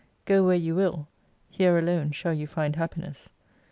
Go where you will, here alone shall you find your happiness.